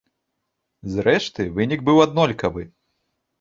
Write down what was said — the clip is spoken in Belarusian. Зрэшты, вынік быў аднолькавы.